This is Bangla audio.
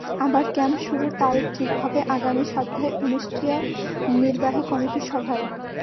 আবার ক্যাম্প শুরুর তারিখ ঠিক হবে আগামী সপ্তাহে অনুষ্ঠেয় নির্বাহী কমিটির সভায়।